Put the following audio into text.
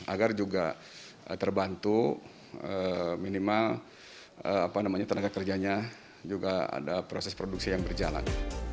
agar juga terbantu minimal tenaga kerjanya juga ada proses produksi yang berjalan